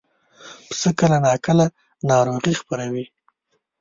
پسه کله کله ناروغي خپروي.